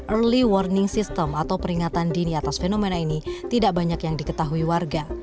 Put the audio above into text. early warning system atau peringatan dini atas fenomena ini tidak banyak yang diketahui warga